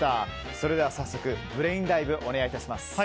それでは早速ブレインダイブお願いいたします。